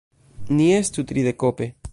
Ni estu tridekope.